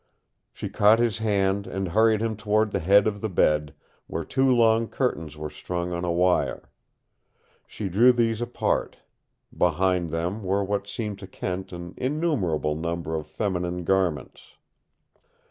She caught his hand and hurried him toward the head of the bed, where two long curtains were strung on a wire. She drew these apart. Behind them were what seemed to Kent an innumerable number of feminine garments.